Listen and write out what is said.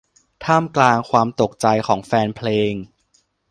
ท่ามกลางความตกใจของแฟนเพลง